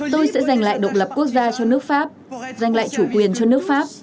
tôi sẽ giành lại độc lập quốc gia cho nước pháp giành lại chủ quyền cho nước pháp